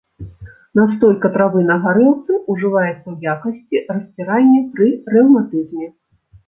Настойка травы на гарэлцы ўжываецца ў якасці расцірання пры рэўматызме.